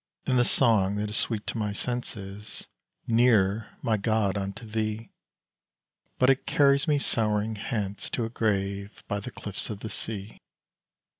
And the song that is sweet to my sense Is, "Nearer, my God, unto Thee"; But it carries me sorrowing hence, To a grave by the cliffs of the sea.